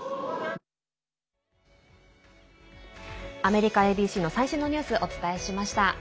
アメリカＡＢＣの最新のニュース、お伝えしました。